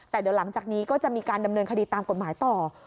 แต่เดี๋ยวหลังจากนี้ก็จะมีการดำเนินคดีตามกฎหมายต่อ